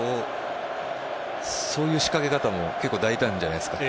そういう仕掛け方も大胆じゃないですか。